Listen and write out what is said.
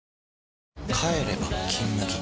帰れば「金麦」